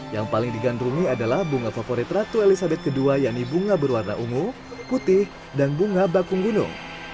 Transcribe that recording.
yang paling digandrungi adalah bunga favorit ratu elizabeth ii yakni bunga berwarna ungu putih dan bunga bakung gunung